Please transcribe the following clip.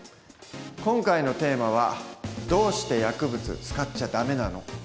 今回のテーマは「どうして薬物使っちゃダメなの？」。